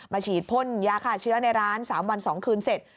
ฉีดพ่นยาฆ่าเชื้อในร้าน๓วัน๒คืนเสร็จ